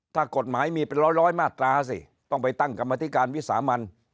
ถ้ากฎหมายมีเป็นร้อยมาตราสิต้องไปตั้งกรรมธิการวิสามัน